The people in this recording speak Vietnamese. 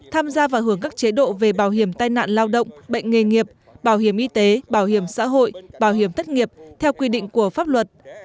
tham gia và hưởng các chế độ về bảo hiểm tai nạn lao động bệnh nghề nghiệp bảo hiểm y tế bảo hiểm xã hội bảo hiểm thất nghiệp theo quy định của pháp luật